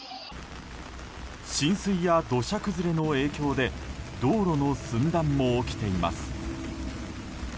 浸水や土砂崩れの影響で道路の寸断も起きています。